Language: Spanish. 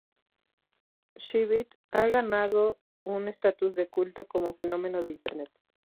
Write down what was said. Xzibit ha ganado un estatus de culto como fenómeno de Internet.